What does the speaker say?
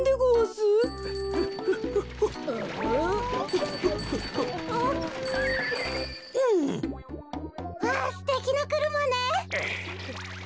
すてきなくるまね。